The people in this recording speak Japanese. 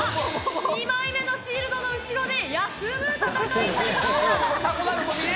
２枚目のシールドの後ろで休む戦いになりました。